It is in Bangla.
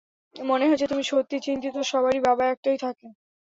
মনে হচ্ছে তুমি সত্যিই চিন্তিত, সবারই বাবা একটাই থাকে!